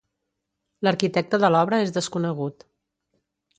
L'arquitecte de l'obra és desconegut.